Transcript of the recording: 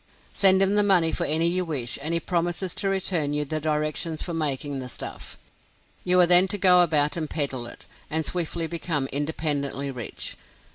Send him the money for any you wish, and he promises to return you the directions for making the stuff. You are then to go about and peddle it, and swiftly become independently rich.